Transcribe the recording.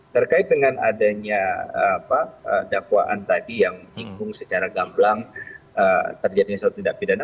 terkait dengan adanya dakwaan tadi yang diingung secara gamblang terjadinya setidak pidana